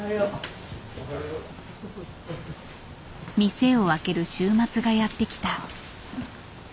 店を開ける週末がやってきた。